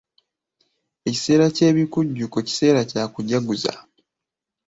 Ekiseera ky'ebikujjuko kiseera kya kujaguza.